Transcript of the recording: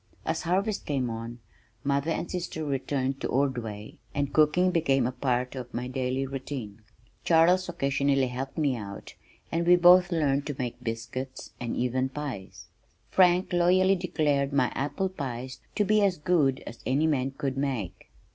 As harvest came on, mother and sister returned to Ordway, and cooking became a part of my daily routine. Charles occasionally helped out and we both learned to make biscuits and even pies. Frank loyally declared my apple pies to be as good as any man could make.